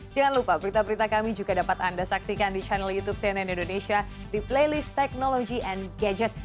jangan lupa berita berita kami juga dapat anda saksikan di channel youtube cnn indonesia di playlist technology and gadget